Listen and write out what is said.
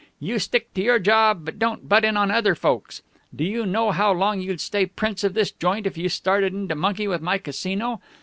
You stick to your job, and don't butt in on other folks'. Do you know how long you'd stay Prince of this joint if you started in to monkey with my Casino?